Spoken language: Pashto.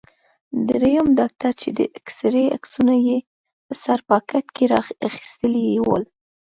دریم ډاکټر چې د اېکسرې عکسونه یې په سر پاکټ کې را اخیستي ول.